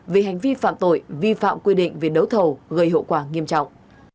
vì hành vi phạm tội vi phạm quy định về đấu thầu gây hậu quả nghiêm trọng